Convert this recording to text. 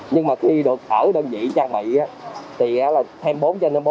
nhưng mà khi được thở đơn vị trang bị thì là thêm bốn trên bốn